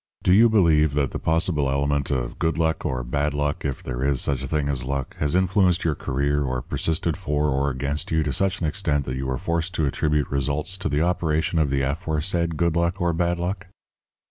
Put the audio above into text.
"Do you believe that the possible element of good luck or bad luck if there is such a thing as luck has influenced your career or persisted for or against you to such an extent that you were forced to attribute results to the operation of the aforesaid good luck or bad luck?"